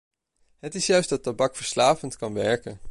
Het is juist dat tabak verslavend kan werken.